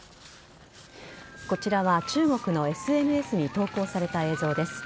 こちらは中国のＳＮＳに投稿された映像です。